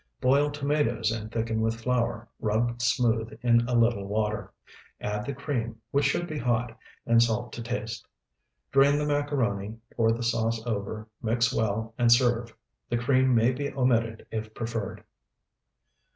Boil tomatoes and thicken with flour, rubbed smooth in a little water. Add the cream, which should be hot, and salt to taste. Drain the macaroni, pour the sauce over, mix well, and serve. The cream may be omitted if preferred.